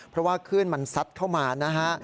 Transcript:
เพราะว่าคลื่นมันซัดเข้ามานะฮะ